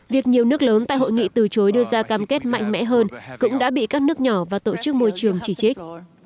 việc nhiều nước lớn tại hội nghị từ chối đưa ra cam kết mạnh mẽ hơn cũng đã bị các nước nhỏ và tổ chức môi trường chỉ trích